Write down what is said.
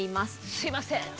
すいません。